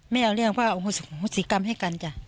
แม่เอาเรื่องว่าโอ้โหสีกรรมให้กันจ้ะ